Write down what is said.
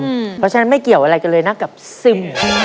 เพราะฉะนั้นไม่เกี่ยวอะไรกันเลยนะกับซึม